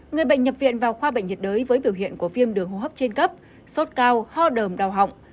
người bệnh nhập viện vào khoa bệnh nhiệt đới với biểu hiện của viêm đường hô hấp trên cấp sốt cao ho đờm đau họng